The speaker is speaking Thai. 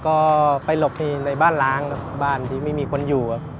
ก็ไปหลบในบ้านล้างครับบ้านที่ไม่มีคนอยู่ครับ